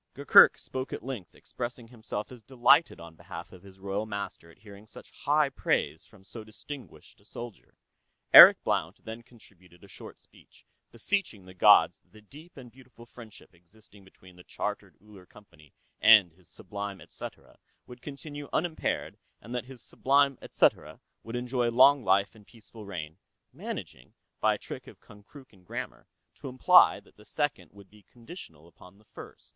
Gurgurk spoke at length, expressing himself as delighted, on behalf of his royal master, at hearing such high praise from so distinguished a soldier. Eric Blount then contributed a short speech, beseeching the gods that the deep and beautiful friendship existing between the Chartered Uller Company and His Sublime etcetera would continue unimpaired, and that His Sublime etcetera would enjoy long life and peaceful reign, managing, by a trick of Konkrookan grammar, to imply that the second would be conditional upon the first.